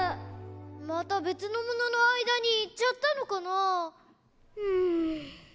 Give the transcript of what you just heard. またべつのもののあいだにいっちゃったのかな？